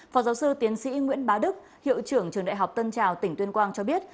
phó giáo sư tiến sĩ nguyễn bá đức hiệu trưởng trường đại học tân trào tỉnh tuyên quang cho biết